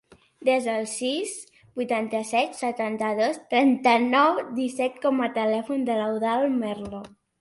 Desa el sis, vuitanta-set, setanta-dos, trenta-nou, disset com a telèfon de l'Eudald Merlo.